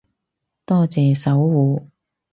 多謝守護